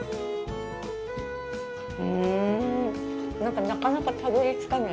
なんか、なかなかたどり着かない。